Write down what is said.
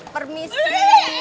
permisi orang kayak mau lewat